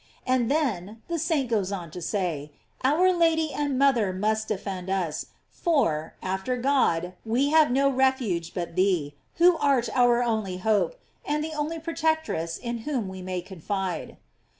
f And then, the saint goes on to say, our Lady and mother must defend us; for, after God, we have no refuge but thee, who art our only hope, and the only protectress in whom we may confide.